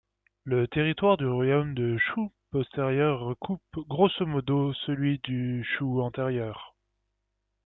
Le territoire du royaume du Shu postérieur recoupe, grosso-modo, celui du Shu antérieur.